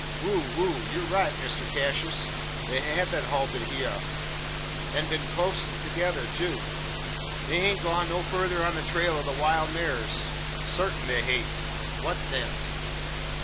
"Whoo! whoo! yur right, Mister Cashus! They hev been halted hyur; an been clost thegither too. They hain't gone no further on the trail o' the wild maars. Sartin they hain't. What then?"